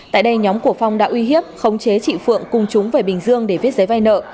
tại đây nhóm của phong đã uy hiếp khống chế chị phượng cùng chúng về bình dương để viết giấy vay nợ